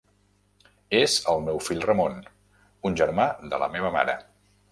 És el meu fill Ramon, un germà de la meva mare.